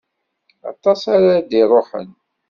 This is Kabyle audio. Aṭas ara d-iṛuḥen.